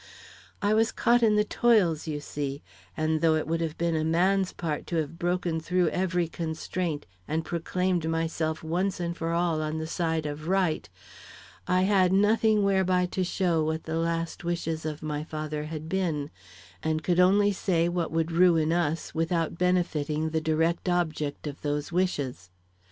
I was caught in the toils you see, and though it would have been a man's part to have broken through every constraint and proclaimed myself once and for all on the side of right, I had nothing whereby to show what the last wishes of my father had been, and could only say what would ruin us without benefiting the direct object of those wishes.